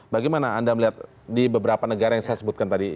bagaimana anda melihat di beberapa negara yang saya sebutkan tadi